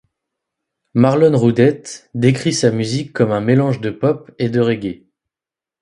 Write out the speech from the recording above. Marlon Roudette décrit sa musique comme un mélange de Pop et de Reggae.